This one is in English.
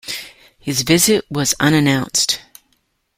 His visit was unannounced.